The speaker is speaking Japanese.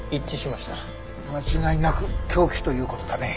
間違いなく凶器という事だね。